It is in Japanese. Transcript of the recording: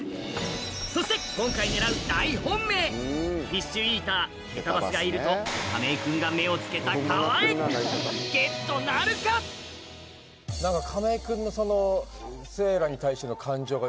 そして今回狙う大本命フィッシュイーター「ケタバス」がいると亀井君が目を付けた川へちょっと何かね。